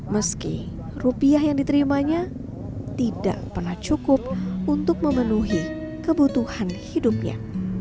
meski rupiah yang diterimanya tidak pernah cukup untuk memenuhi kebutuhan hidupnya